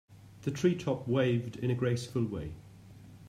The tree top waved in a graceful way.